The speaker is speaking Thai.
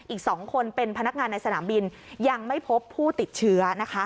อีก๒คนเป็นพนักงานในสนามบินยังไม่พบผู้ติดเชื้อนะคะ